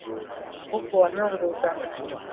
Mfuko wa nyongo hutanuka